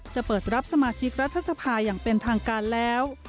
จะเปิดรับสมาชิกรัฐสภาอย่างเป็นทางการแล้ว